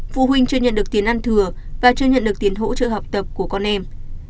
phụ huynh chưa nhận được tiền ăn thừa và chưa nhận được tiền hỗ trợ học tập của con em